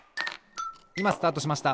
いまスタートしました！